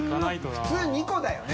普通２個だよね。